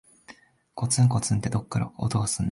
こつんこつんって、どっかから音がすんの。